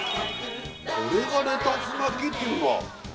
これがレタス巻きっていうんだ